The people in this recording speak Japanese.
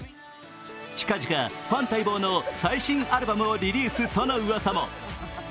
近々、ファン待望の最新アルバムをリリースとのうわさも。